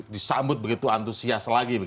disambut begitu antusias lagi